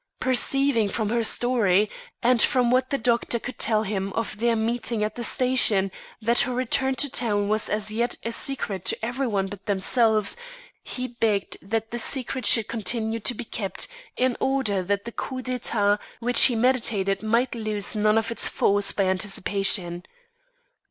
Perceiving from her story, and from what the doctor could tell him of their meeting at the station that her return to town was as yet a secret to every one but themselves, he begged that the secret should continue to be kept, in order that the coup d'etat which he meditated might lose none of its force by anticipation.